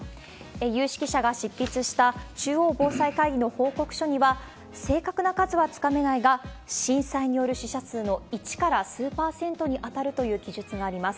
有識者が執筆した中央防災会議の報告書には、正確な数はつかめないが、震災による死者数の１から数パーセントに当たるという記述があります。